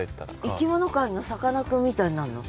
生き物界のさかなクンみたいになんの？